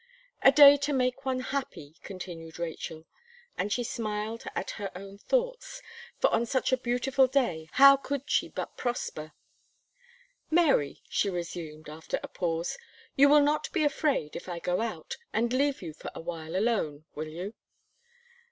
"A day to make one happy," continued Rachel; and she smiled at her own thoughts; for on such a beautiful day, how could she but prosper? "Mary," she resumed, after a pause, "you will not be afraid, if I go out, and leave you awhile alone, will you?"